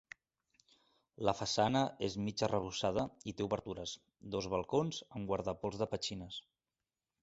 La façana és mig arrebossada i té obertures, dos balcons, amb guardapols de petxines.